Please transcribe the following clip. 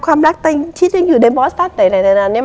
ความรักตั้งแต่อยู่ในบอสตาร์ทอะไร